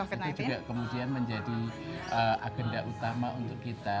itu juga kemudian menjadi agenda utama untuk kita